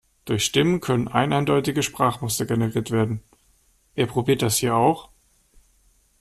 Durch Stimmen können eineindeutige Sprachmuster generiert werden - wer probiert das hier auch?